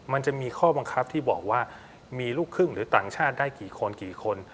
มันจะมีข้อบังคับที่บอกว่ามีลูกครึ่งหรือต่างชาติได้กี่คนกี่คน